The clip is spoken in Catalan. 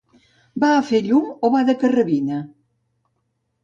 Va a fer llum o va de carrabina?